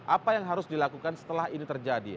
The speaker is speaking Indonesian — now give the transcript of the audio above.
apa yang harus dilakukan setelah ini terjadi